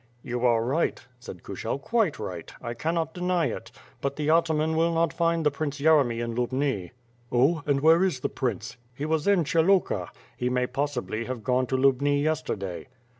"You are right," said Kushel, "Quite right. I cannot deny it. But the ataman will not find the Prince Yeremy in Xiubui." WITH FIRE AND iiWORD, 277 '^Oh, and where is the prince?" "He was in Pshyluka. He may possibly have gone to Lubni yesterday."